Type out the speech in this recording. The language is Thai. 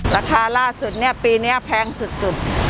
ราคาร่าสุดปีนี้แพงสุด